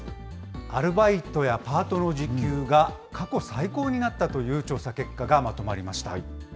アルバイトやパートの時給が過去最高になったという調査結果がま